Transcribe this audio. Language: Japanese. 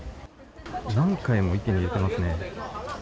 何回も池に入れてますね。